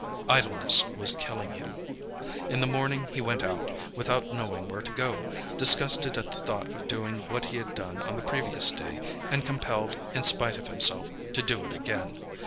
Idleness was killing him. In the morning he went out, without knowing where to go, disgusted at the thought of doing what he had done on the previous day, and compelled, in spite of himself, to do it again.